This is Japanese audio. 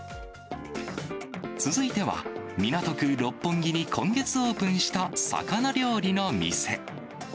続いては、港区六本木に今月オープンした魚料理の店。